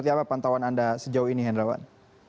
apa pantauan anda sejauh ini hendrawan